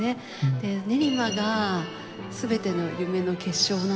で練馬が全ての夢の結晶なんです。